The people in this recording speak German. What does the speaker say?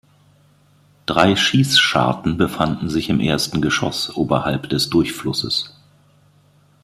Drei Schießscharten befanden sich im ersten Geschoss oberhalb des Durchflusses.